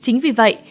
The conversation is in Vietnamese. chính vì vậy